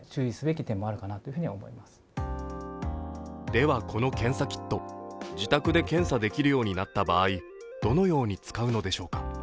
では、この検査キット、自宅で検査できるようになった場合、どのように使うのでしょうか。